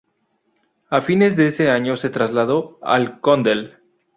A fines de año se trasladó al Condell.